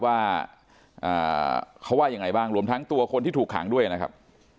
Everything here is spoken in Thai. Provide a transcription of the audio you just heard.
ว่าเขาว่ายังไงบ้างรวมทั้งตัวคนที่ถูกขังด้วยนะครับ